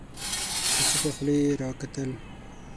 په چوپه خوله يې راکتل